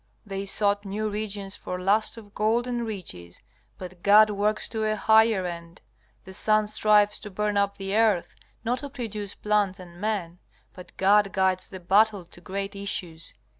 They sought new regions for lust of gold and riches, but God works to a higher end. The sun strives to burn up the earth, not to produce plants and men, but God guides the battle to great issues.